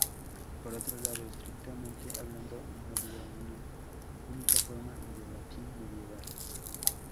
Por otro lado, estrictamente hablando, no había una única forma del latín medieval.